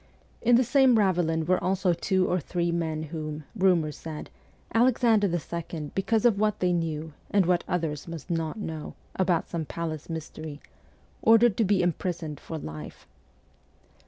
In the same ravelin were also two or three men whom, rumour said, Alexander II., because of what they knew, and what others must not know, about some palace mystery, ordered to foe imprisoned for life.